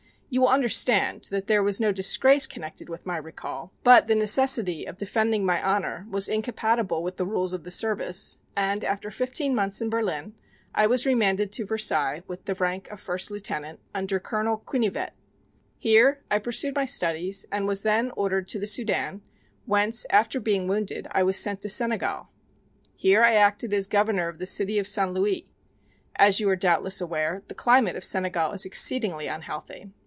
You will understand that there was no disgrace connected with my recall, but the necessity of defending my honor was incompatible with the rules of the service, and after fifteen months in Berlin I was remanded to Versailles with the rank of First Lieutenant, under Colonel Quinivet. Here I pursued my studies and was then ordered to the Soudan, whence, after being wounded, I was sent to Senegal. Here I acted as Governor of the City of St. Louis. As you are doubtless aware, the climate of Senegal is exceedingly unhealthy.